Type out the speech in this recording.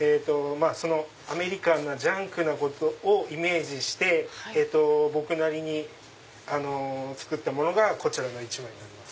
アメリカンなジャンクなことをイメージして僕なりに作ったものがこちらの１枚になります。